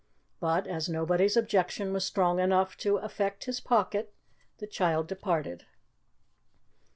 But as nobody's objection was strong enough to affect his pocket, the child departed.